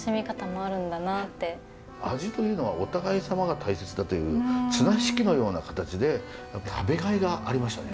味というのはお互いさまが大切だという綱引きのような形で食べがいがありましたね